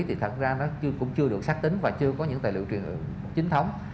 thì thật ra nó cũng chưa được xác tính và chưa có những tài liệu truyền chính thống